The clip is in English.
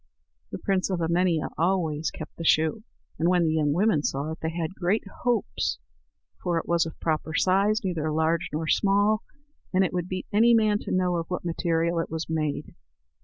The prince of Emania always kept the shoe; and when the young women saw it, they had great hopes, for it was of proper size, neither large nor small, and it would beat any man to know of what material it was made.